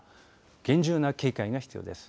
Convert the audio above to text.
厳重な警戒が必要です。